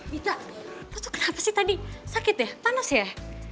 dita terus tuh kenapa sih tadi sakit ya panas ya